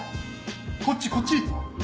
こっちこっち。